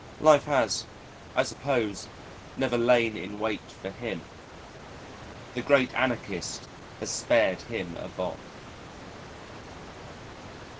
Life has, I suppose, never lain in wait for him. The Great Anarchist has spared him a bomb.